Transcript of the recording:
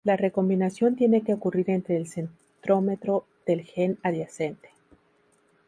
La recombinación tiene que ocurrir entre el centrómero del gen adyacente.